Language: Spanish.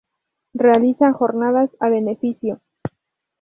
Realiza jornadas a beneficio.